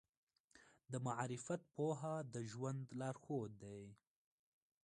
د معرفت پوهه د ژوند لارښود دی.